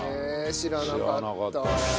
知らなかったね。